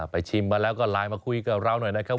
ชิมมาแล้วก็ไลน์มาคุยกับเราหน่อยนะครับ